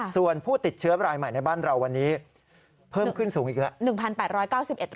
ส่วนผู้ติดเชื้อรายใหม่ในบ้านเราวันนี้เพิ่มขึ้นสูงอีกแล้ว